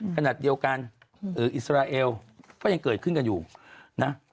ขณะเดียวกันอิสราเอลก็ยังเกิดขึ้นกันอยู่นะ